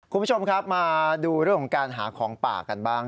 คุณผู้ชมครับมาดูเรื่องของการหาของป่ากันบ้าง